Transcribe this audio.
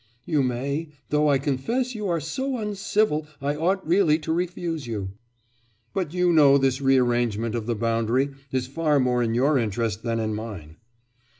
'You may,... though I confess you are so uncivil I ought really to refuse you.' 'But you know this rearrangement of the boundary is far more in your interest than in mine.